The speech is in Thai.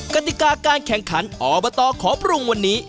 กติกาการแข่งขันอบตขอปรุงวันนี้